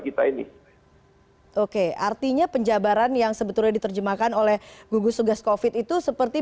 kita ini oke artinya penjabaran yang sebetulnya diterjemahkan oleh gugus tugas covid itu seperti